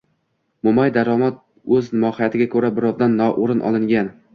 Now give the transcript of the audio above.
Mo‘may daromad o‘z mohiyatiga ko‘ra birovdan noo‘rin olingan